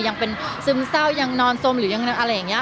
ยังเป็นซึมเศร้ายังนอนสมหรือยังอะไรอย่างนี้